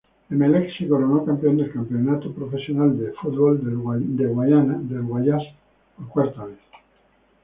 Emelec se coronó campeón del Campeonato Profesional de Fútbol del Guayas por cuarta vez.